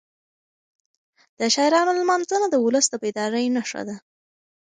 د شاعرانو لمانځنه د ولس د بیدارۍ نښه ده.